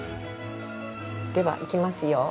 では行きますよ。